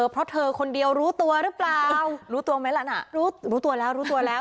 เพราะเธอคนเดียวรู้ตัวหรือเปล่ารู้ตัวไหมล่ะน่ะรู้รู้ตัวแล้วรู้ตัวแล้ว